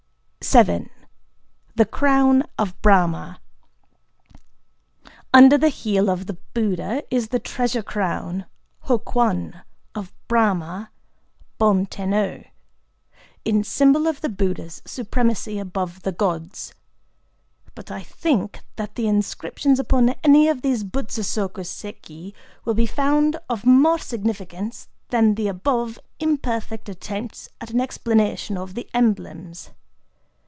VII.—The Crown of Brahmâ. Under the heel of the Buddha is the Treasure Crown (Hō Kwan) of Brahmâ (Bon Ten O),—in symbol of the Buddha's supremacy above the gods. But I think that the inscriptions upon any of these Butsu soku séki will be found of more significance than the above imperfect attempts at an explanation of the emblems.